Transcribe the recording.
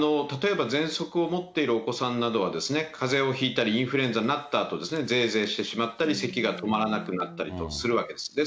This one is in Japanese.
例えばぜんそくを持っているお子さんなどは、かぜをひいたり、インフルエンザになったあと、ぜいぜいしてしまったり、せきが止まらなくなったりとするわけです。